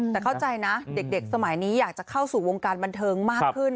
แต่เข้าใจนะเด็กสมัยนี้อยากจะเข้าสู่วงการบันเทิงมากขึ้น